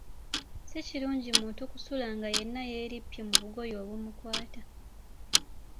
Si kirungi muntu kusula nga yenna yeerippye mu bugoye obumukwata.